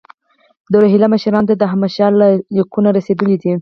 د روهیله مشرانو ته د احمدشاه لیکونه رسېدلي دي.